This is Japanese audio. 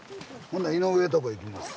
ほな井上とこ行きます。